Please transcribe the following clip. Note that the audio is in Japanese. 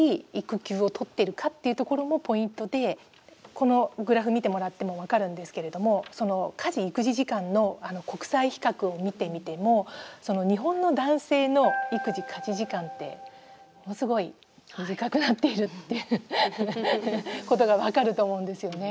このグラフ見てもらっても分かるんですけれども家事・育児時間の国際比較を見てみても日本の男性の育児・家事時間ってものすごい短くなっているっていうことが分かると思うんですよね。